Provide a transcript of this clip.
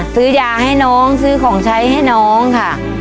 ซื้อยาให้น้องซื้อของใช้ให้น้องค่ะ